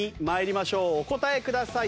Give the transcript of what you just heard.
お答えください。